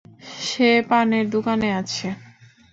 সে পানের দোকানে আছে।